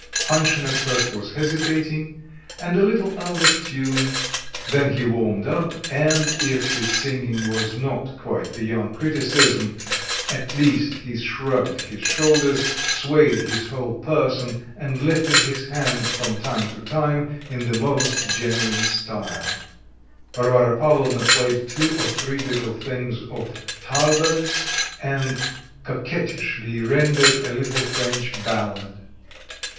Panshin at first was hesitating, and a little out of tune, then he warmed up, and if his singing was not quite beyond criticism, at least he shrugged his shoulders, swayed his whole person, and lifted his hand from time to time in the most genuine style. Varvara Pavlovna played two or three little things of Thalberg's, and coquettishly rendered a little French ballad.